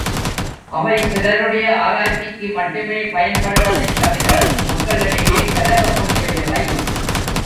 அவை சிலருடைய ஆராய்ச்சிக்கு மட்டுமே பயன்படுவதைத் தவிர மக்களிடையே பரவ முடியவில்லை.